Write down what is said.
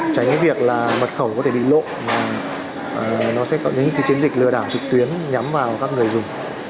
tránh cái việc là mật khẩu có thể bị lộ mà nó sẽ có những cái chiến dịch lừa đảo trực tuyến nhắm vào các người dùng